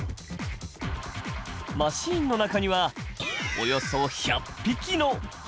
マシーンの中にはおよそ１００匹のハエ。